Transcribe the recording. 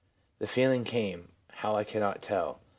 The feeling came — how I cannot tell/ M.